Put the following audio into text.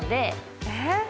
えっ？